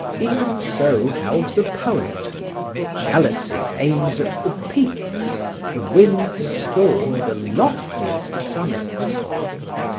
Even so held the poet: "Jealousy aims at the peaks; the winds storm the loftiest summits."